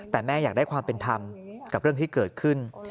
แต่แม่อยากได้ความเป็นธรรมกับเรื่องที่เกิดขึ้น